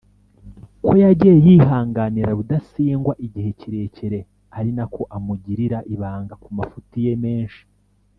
ko yagiye yihanganira Rudasingwa igihe kirekire ari nako amugirira ibanga kumafuti ye menshi